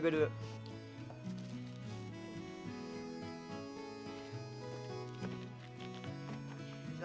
aku anterin kamu sampai ke rumah ya